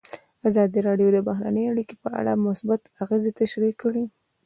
ازادي راډیو د بهرنۍ اړیکې په اړه مثبت اغېزې تشریح کړي.